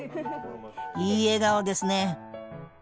いい笑顔ですね！